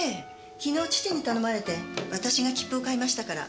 昨日義父に頼まれて私が切符を買いましたから。